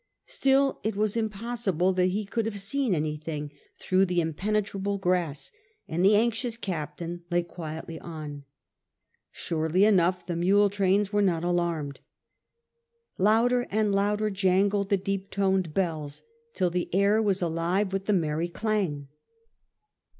Still, it was impossible that he could have seen anything through the impenetrable grass, and the anxious captain lay quietly on. Surely enough the mule trains were not alarmed. Louder and louder jangled the deep toned bells till the air was alive with the merry clang.